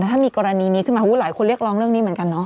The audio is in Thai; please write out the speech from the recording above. ถ้ามีกรณีนี้ขึ้นมาหลายคนเรียกร้องเรื่องนี้เหมือนกันเนาะ